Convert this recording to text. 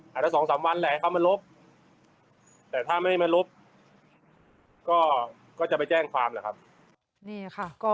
อาจจะสองสามวันแหละเขามาลบแต่ถ้าไม่ได้มาลบก็จะไปแจ้งความแหละครับ